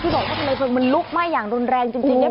ที่บอกว่าทะเลลมลุกไหม้อย่างร้นแรงจริงจริง